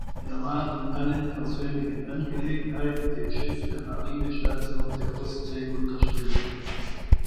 Er war in allen persönlichen Angelegenheiten dem Chef der Marinestation der Ostsee unterstellt.